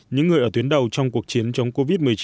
những người ở tuyến đầu trong cuộc chiến chống covid một mươi chín